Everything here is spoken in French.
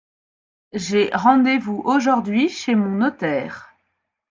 J’ai rendez-vous aujourd’hui chez mon notaire.